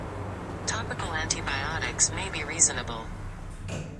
Topical antibiotics may be reasonable.